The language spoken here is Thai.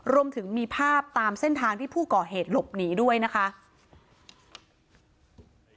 รวมถึงมีภาพตามเส้นทางที่ผู้ก่อเหตุหลบหนีด้วยนะคะ